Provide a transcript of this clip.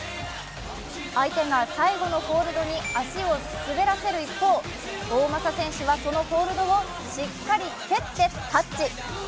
相手が最後のホールドに足を滑らせる一方、大政選手はそのホールドをしっかりせってタッチ。